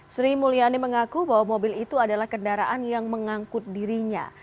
sri mulyani mengaku bahwa mobil itu adalah kendaraan yang mengangkut dirinya